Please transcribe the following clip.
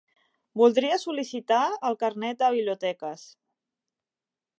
Voldria sol·licitar el carnet de biblioteques.